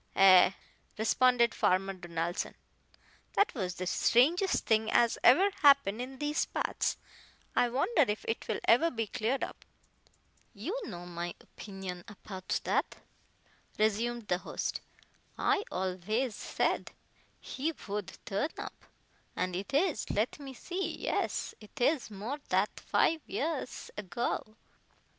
"Ay," responded Farmer Donaldson, "that was the strangest thing as ever happened in these parts. I wonder if it will ever be cleared up." "You know my opinion apout that," resumed the host, "I alvays said he vould turn up. But it is let me see yes, it is more that fife years ago.